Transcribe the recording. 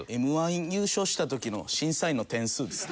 Ｍ−１優勝した時の審査員の点数です。